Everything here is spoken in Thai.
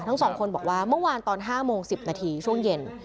ทั้งสองคนบอกว่าเมื่อวานตอน๕โมง๑๐นาทีช่วงเย็น